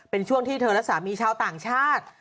เป็นช่วงที่เธอและสามีชาวต่างชาติ